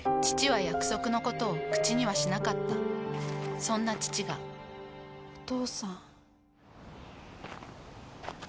父は約束のことを口にはしなかったそんな父がお父さん。